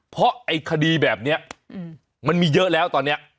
เพราะไอ้คดีแบบนี้มันมีเยอะแล้วตอนนี้